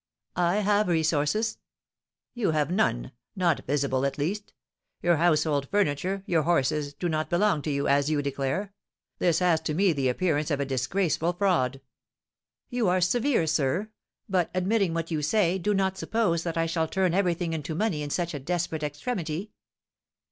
"I have resources." "You have none; not visible at least. Your household furniture, your horses, do not belong to you, as you declare; this has to me the appearance of a disgraceful fraud." "You are severe, sir; but, admitting what you say, do you not suppose that I shall turn everything into money in such a desperate extremity?